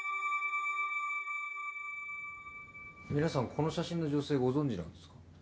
皆さんこの写真の女性ご存じなんですか？